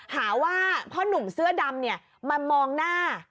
หาว่าพ่อหนุ่มเสื้อดำมามองหน้า